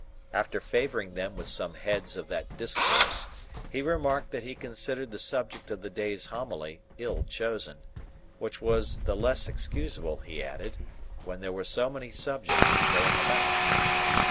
After favouring them with some heads of that discourse, he remarked that he considered the subject of the day's homily, ill chosen; which was the less excusable, he added, when there were so many subjects "going about."